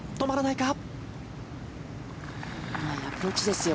いいアプローチですよ。